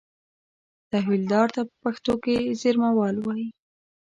تحویلدار ته په پښتو کې زېرمهوال وایي.